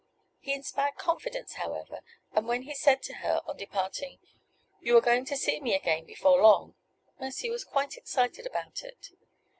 He inspired confidence, however, and when he said to her, on departing: "You are going to see me again before long," Mercy was quite excited about it.